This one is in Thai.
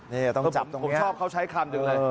นี่ต้องจับตรงนี้ผมชอบเขาใช้คำจริงอะไร